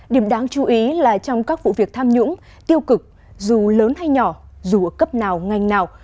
điểm đáng chú ý là trong các vụ việc tham nhũng tiêu cực dù lớn hay nhỏ dù ở cấp nào ngành nào